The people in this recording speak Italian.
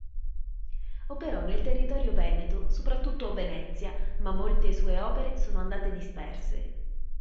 Operò nel territorio Veneto, soprattutto a Venezia, ma molte sue opere sono andate disperse.